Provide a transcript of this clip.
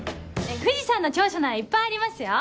藤さんの長所ならいっぱいありますよ。